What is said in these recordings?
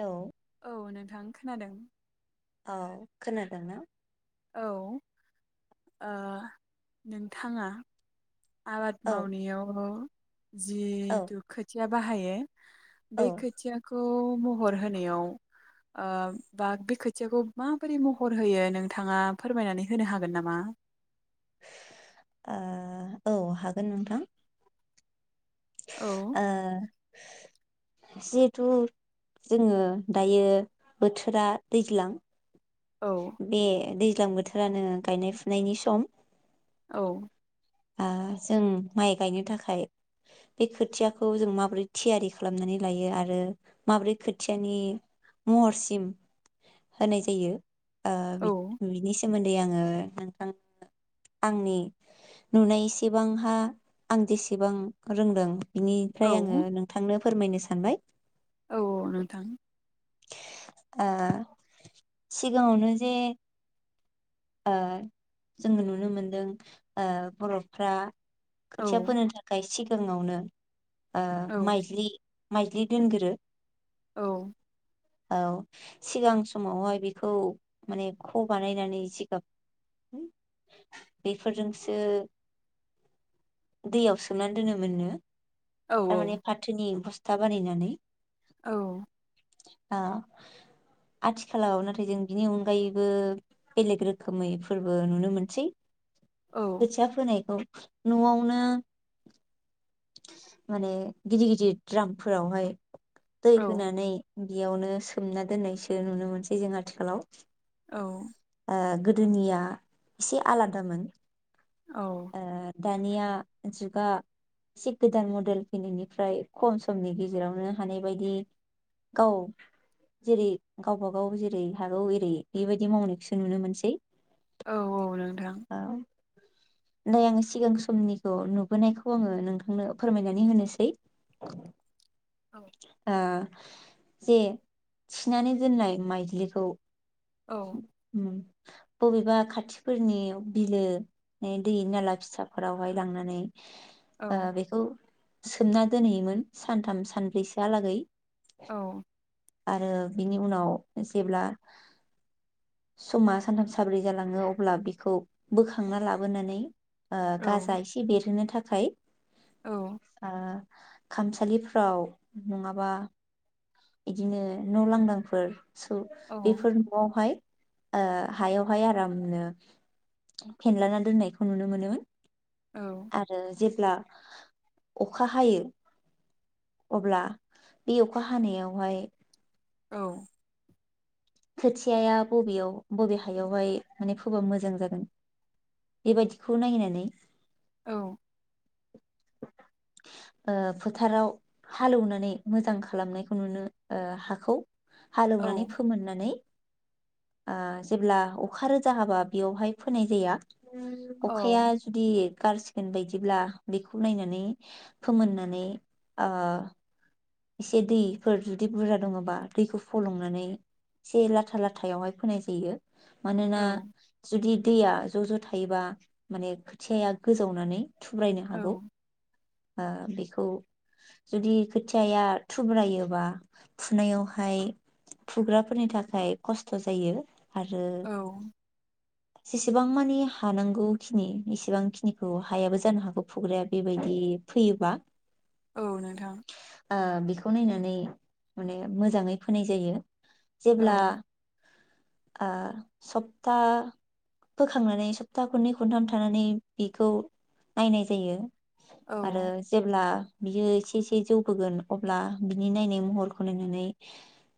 औ औ नोंथां खोनादों। औ खोनादों ना? औ ओ नोंथाङा आबाद औ मावनायाव औ जिहेथु खोथि या बाहायो बे ओ खोथिया खौ महर होनायाव ओ बा बे खोथियाखौ माबोरै महर होयो नोंथाङा फोरमायनानै होनो हागोन नामा? ओ औ हागोन नोंथां। औ ओ जिहेथु जोङो दायो बोथोरा दैज्लां औ बे दै ज्लां बोथोरानो गायनाय फुनायनि सम। औ ओ जों माइ गायनो थाखाय बे खोथियाखौ जों माबोरै थियारि खालामनानै लायो आरो माबोरै खोथियानि महरसिम होनाय जायो ओ औ बि-बिनि सोमोन्दै आङो नोंथां आंनि नुनायसेबांहा आं जेसेबां रोंदों बिनिफ्राय आङो औ नोंथांनो फोरमायनो सानबाय। औ नोंथां ओ सिगाङावनो जे ओ जोङो नुनो मोनदों ओ बर'फ्रा औ खोथिया फोनो थाखाय सि [unintelligible] ओ औ माइज्लि माइज्लि दोनगोरो। औ। औ सिगां समावहाय बेखौ माने ख' बानायनानै बेफोरजोंसो दैयाव सोमनानै दोनो मोननो। औ थारमाने फाथोनि बस था बानायनानै। औ। ओ आथिखालाव नाथाय जों बिनि अनगायैबो बेलेग रो खोमै फोरबो नुनो मोनसै। औ खोथिया फोनायखौ। न'आवनो माने गिदिर गिदिर द्रामफोरावहाय। दै औ होनानै। बियावनो सोमना दोननायसो नुनो मोनसै जों आथिखालाव। औ। ओ गोदोनिया एसे आलादामोन। औ। ओ दानिया जुगा एसे गोदान मडेल फैनायनिफ्राय खम समनि गेजेरावनो हानाय बायदि गाव जेरै गावबा गाव जेरै हागौ एरै बेबायदि मावनायखौ नुनो मोनसै। औ औ नोंथां। नै आङो सिगां समनिखौ नुबोनायखौ आङो नोंथांनो फोरमायनानै होनोसै। औ। ओ जे थिनानै दोननाय माइद्लिखौ। औ उम। बबेबा खाथिफोरनि बिलो दै नाला फिसाफोरावहाय लांनानै। ओ औ बेखौ। सोमना दोनहैयोमोन सानथाम सानब्रैसोहालागै। औ। आरो बिनि उनाव जेब्ला। समा सानथाम साब्रै जालाङो अब्ला बिखौ बोखांना लाबोनानै। ओ औ गाजा एसे बेरहोनो था खाय औ आ खामसालिफ्राव नङाबा। इदिनो न' लांदांफोर। सौ औ बेफोर न'आवहाय। ओ हायावहाय आरामनो फेनलाना दोननायखौ नुनो मोनोमोन। औ आरो जेब्ला अखा हायो, अब्ला बे अखा हानायाव। वहाय औ खोथियाया बबेयाव बबे हायावहाय माने फोबा मोजां जागोन? बेबायदिखौ नायनानै औ ओ फोथाराव हालौनानै मोजां खालामनायखौ नुनो हाखौ औ हालौनानै फोमोननानै आ जेब्ला अखा रोजा हाबा बेयावहाय फोनाय जाया। अखाया जुदि गारसिगोन बायदिब्ला बेखौ नायनानै फोमोननानै आ एसे दैफोर जुदि बुरजा दङबा दैखौ फलंनानै एसे लाथा लाथायावहाय फोनाय जायो। मानोना औ जुदि दैया ज' ज' थायोबा माने खोथियाया गोजावनानै थुब्रायनो औ हागौ आ बेखौ जुदि खुत थिया या थुब्रायोबा फुनायावहाय फुग्राफोरनि थाखाय खस्थ' जायो। आरो औ जेसेबां मानि हानांगौखिनि एसेबांखिनिखौ हायाबो जानो हागौ फुग्राया बेबायदि फैयोबा। औ नोंथां। आ बेखौ नायनानै माने मोजाङै फोनाय जायो। औ जेब्ला आ सप्ता फोखांनानै सप्ता खननै खनथाम थानानै बेखौ नायनाय जायो। औ आरो जेब्ला बेयो इसेसे बेजौबोगोन अब्ला बिनि नायनाय महरखौ नायनानै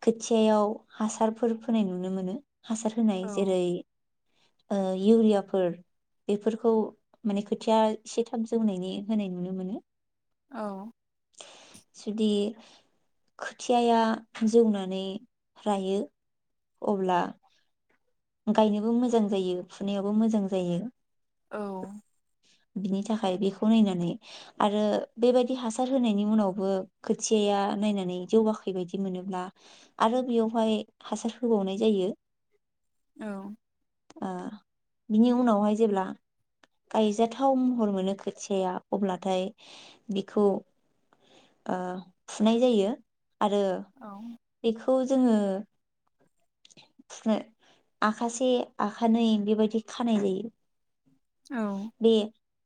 खोथियायाव हासारफोर फोनाय नुनो मोनो। हासार होनाय औ जेरै ओ इउरियाफोर बेफोरखौ माने खोथिया एसे थाम जौनायनि होनाय नुनो मोनो। औ जुदि खोथियाया जौनानै रायो अब्ला गायनोबो मोजां जायो फुनायावबो मोजां जायो। औ बिनि थाखाय बेखौ नायनानै आरो बेबायदि हासार होनायनि उनावबो खोथियाया नायनानै जौगाखै बायदि मोनोब्ला, आरो बेयावहाय हासार होबावनाय जायो। औ आ, बिनि उनावहाय जेब्ला गायजाथाव महर मोनो खोथियाया अब्लाथाय बिखौ, आ फुनाय जायो। आरो बेखौ जोङो फूनो आखाासे आखानैै बेबायदि खानाय जायो। बे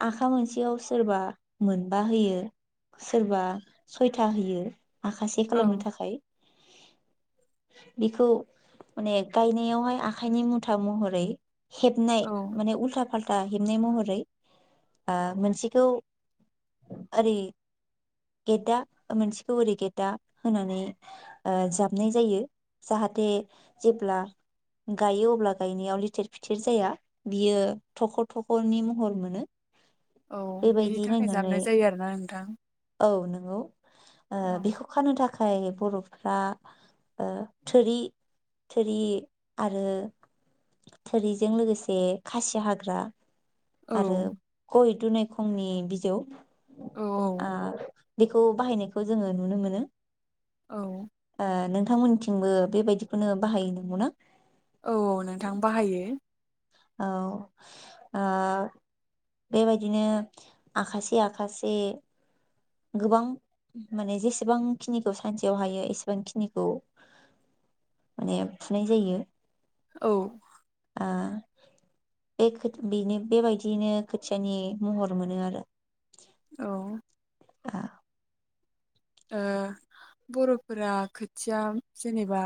आखा मोनसेयाव सोरबा मोनबा होयो सोरबा सयथा होयो। आखाासे खालामनो औ थाखाय बेखौ माने गायनायावहाय आखाइनि मुथा महरै हेबनाय औ माने उल्था दा हेबनाय महरै आ मोनसेखौ ओरै गेद्दा मोनसेखौ ओरै गेद्दा होनानै जाबनाय जायो जाहाथे जेब्ला गायो अब्ला गायनायाव लिथेर फिथेर जाया। बियो थख' थख'नि महर मोनो औ बेनि बेबायदि थाखाय नायनानै जाबनाय जायो आरोना नोंथां औ नोंगौ आ औ बेखौ खानो थाख खाय बर'फ्रा ओ थोरि थोरि आरो थोरिजों लोगोसे खासि हाग [unintelligible] औ आरो गय दुनायखंनि बिजौ। औ आ। बेखौ बाहायनायखौ जोङो नुनो मोनो। औ आ नों थांमोनथिंबो बेबायदिखौनो बाहायो नंगौना? औ नोंथां बाहायो। औ आ बेबायदिनो आखासे आखासे। गोबां माने जेसेबांखिनिखौ सानसेयाव हायो एसेबां खिनिखौ माने फुनाय जायो। औ। आ बेखो बेनो बेबायदियैनो खोथियानि महर मोनो आरो। औ आ। ओ बर'फोरा खोथिया जेनेबा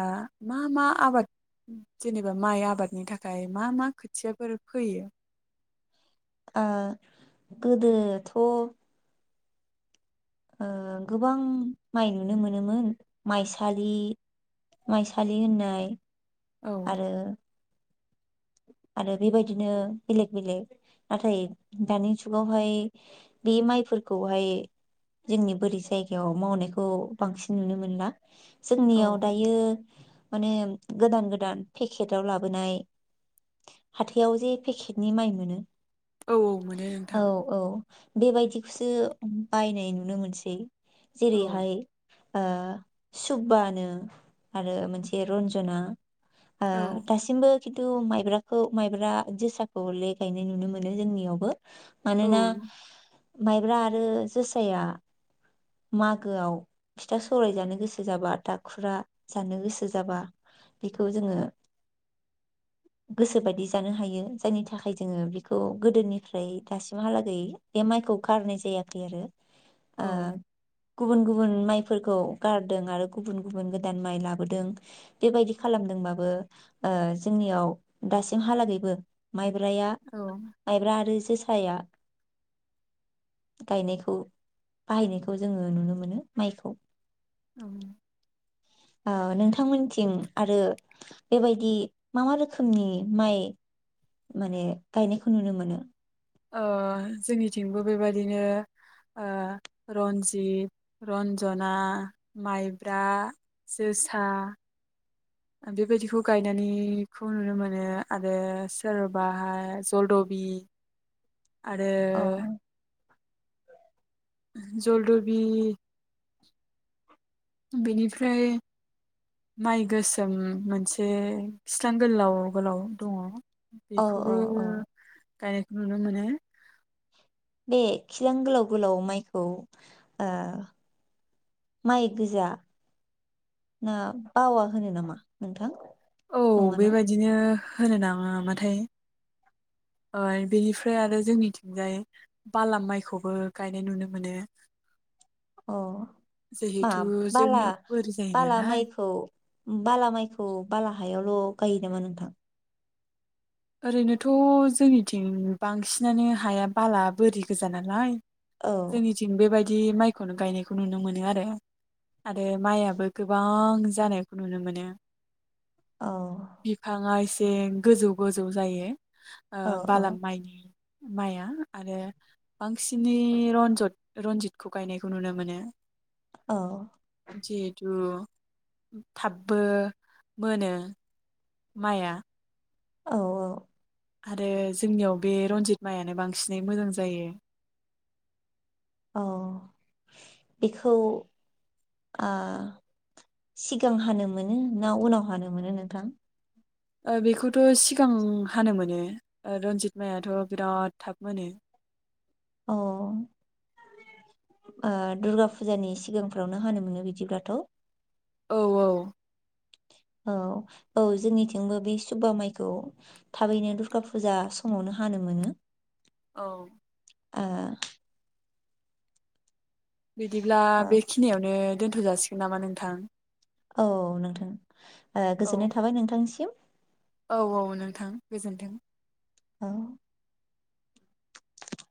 मा मा आबाद जेनेबा माइ आबादनि थाखाय मा मा खोथियाफोर फोयो? ओ गोदोथ' ओ गोबां माइ नुनो मोनोमोन माइसालि माइसालि होननाय औ आरो आरो बेबायदिनो बेलेग बेलेग नाथाय दानि जुगावहाय बे माइफोरखौहाय जोंनि बोरै जायगायाव मावनायखौ बांसिन नुनो मोनला। औ जोंनियाव दायो माने गोदान गोदान पेकेटाव लाबोनाय हाथायाव जे पेकेटनि माइ मोनो। औ औ मोनो औ नोंथां। औ बेबायदिखौसो बायनाय नुनो मोनसै। औ जेरैहाय ओ सुबबानो आरो मोनसे रन्जना। आ औ दासिमबो खिन्थु माइ ब्राखौ माइब्रा जोसाखौ लेगायनाय नुनो मोनो जोंनियावबो। औ मानोना माइब्रा आरो जोसाया मागोआव फिथा सौराय जानो गोसो जाबा दाखुरा जानो गोसो जाबा बेखौ जोङो गोसोबायदि जानो हायो जायनि थाखाय जोङो बेखौ गोदोनिफ्राय दासिमहालागै बे माइखौ गारनाय जायाखै आरो औ आ गुबुन गुबुन माइफोरखौ गारदों आरो गुबुन गुबुन गोदान माइ लाबोदों बेबायदि खालामदोंबाबो ओ जोंनियाव दासिमहालागैबो माइब्राया औ माइब्रा आरो जोसाया गायनायखौ बाहायनायखौ जोङो नुनो मोनो माइखौ। औ ओ नोंथांमोनथिं आरो बेबायदि मा मा रोखोमनि माइ माने गायनायखौ नुनो मोनो? ओ जोंनिथिंबो बेबायदिनो ओ रन्जित, रन्जना, माइब्रा, जोसा, बेबायदिखौ गायनानैखौ नुनो मोनो आरो सोरबाहाय जलदबि आरो अ जलदबि बेनिफ्राय माइ गोसोम मोनसे खिस्लां गोलाव गोलाव दंङ। औ बेखौबो औ गायनायखौ नुनो मोनो। बे खिस्लां गोलाव गोलाव माइखौ ओ माइ गोजा ना बावा होनो नामा नोंथां? औ नङाना? बेबायदिनो होनो नाङा माथाय ओ बेनिफ्राय आरो जोंनिथिंजाय बाला माइखौबो गायनाय नुनो मोनो। अ बा जिहेथु बाला जोंनियाव बोरि जायो बाला नालाय माइखौ बाला माइखौ बाला हायाव औ गायो नामा नोंथां? ओरैनोथ' जोंनिथिं बांसिनानो हाया बाला बोरि गोजा नालाय औ जोंनिथिं बेबाय बिदि माइखौनो गायनायखौ नुनो मोनो आरो आरो माइ आबो गोबां जानायखौ नुनो मोनो। औ बिफाङा बे गोजौ गोजौ जायो। ओ औ बाला माइनि माइ आ आरो बांसिनै रन्जत रनजित खौ गायनायखौ नुनो मोनो। औ जिहेतु थाबबो मोनो। माइ आ। औ औ आरो जोंनियाव बे रन्जित माइआनो बांसिनै मोजां जायो। औ बेखौ ओ सिगां हानो मोनो ना उनाव हानो मोनो नोंथां? ओ बेखौथ' सिगां हानो मोनो ओ रन्जित माइआथ' बिराद थाब मोनो। अ ओ दुर्गा फुजानि सिगांफ्रावनो हानो मोनो बिदिब्लाथ'। औ औ औ औ जोंनिथिंबो बे सुबा माइखौ थाबैनो दुर्गा फुजा समावनो हानो मोनो औ ओह बिदिब्ला बेखिनियावनो दोन्थ जासिगोन नामा नोंथां? औ नोंथां ओ औ गोजोननाय थाबाय नोंथांनिसिम औ औ नोंथां गोजोन्थों औ।